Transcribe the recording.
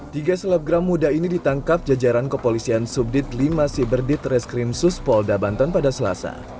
tiga selebgram muda ini ditangkap jajaran kepolisian subdit lima siberdit reskrim suspolda banten pada selasa